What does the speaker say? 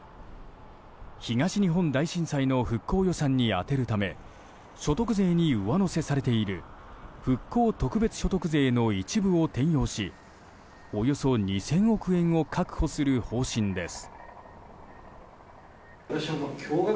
東日本大震災の復興予算に充てるため所得税に上乗せされている復興特別所得税の一部を転用しおよそ２０００億円を確保する方針です。